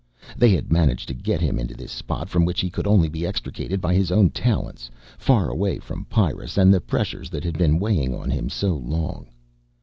They had managed to get him into this spot from which he could only be extricated by his own talents, far away from Pyrrus and the pressures that had been weighing on him so long.